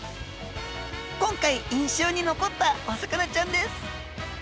今回印象に残ったお魚ちゃんです。